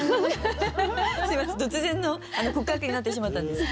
すいません突然の告白になってしまったんですけど。